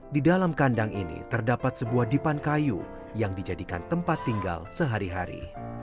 di dalam kandang ini terdapat sebuah dipan kayu yang dijadikan tempat tinggal sehari hari